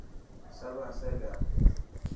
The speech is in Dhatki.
سب هي پيا.